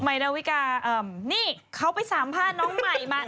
หมายดาววิการนี่เขาไปสามารถพาน้องหมายมา